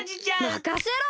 まかせろ！